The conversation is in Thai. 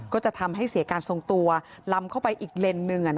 ก็จะทำให้เสียการทรงตัวลำเข้าไปอีกเลนส์หนึ่ง